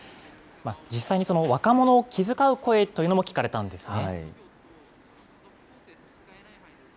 実際に若者を気遣う声というのも聞かれたんですね。